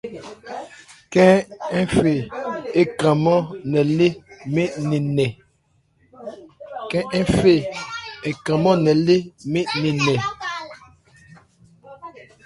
Khɛ́n ń fe ɛ kranmán nkɛ lê mɛɛ́n nɛn nkɛ.